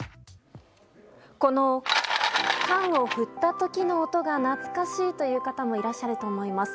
この缶を振った時の音が懐かしいという方もいらっしゃると思います。